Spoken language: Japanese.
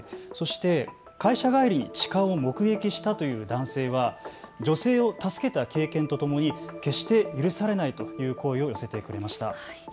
そして会社帰りに痴漢を目撃したという男性は女性を助けた経験とともに決して許されないという声を寄せてくれました。